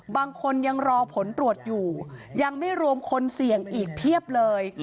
บางคนยังรอผลตรวจอยู่ยังไม่รวมคนเสี่ยงอีกเพียบเลย